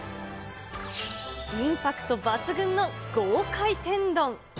インパクト抜群の豪快天丼。